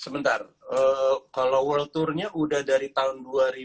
sebentar kalau world tournya udah dari tahun dua ribu dua